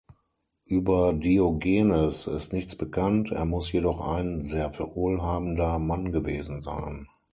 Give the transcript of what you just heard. Über Diogenes ist nichts bekannt, er muss jedoch ein sehr wohlhabender Mann gewesen sein.